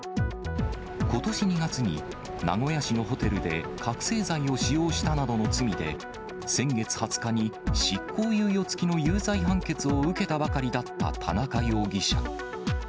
ことし２月に、名古屋市のホテルで覚醒剤を使用したなどの罪で、先月２０日に執行猶予付きの有罪判決を受けたばかりだった田中容疑者。